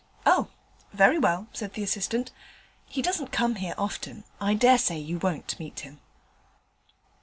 'Oh! very well,' said the assistant, 'he doesn't come here often: I dare say you won't meet him.'